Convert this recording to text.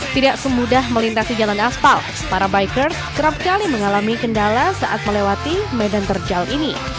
tidak semudah melintasi jalan aspal para bikers kerap kali mengalami kendala saat melewati medan terjal ini